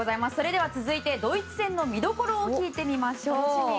では続いてドイツ戦の見どころを聞いてみましょう。